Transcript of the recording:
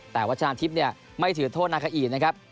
แต่วัชนะทิพย์ไม่ถือโทษนาคาอีนะครับ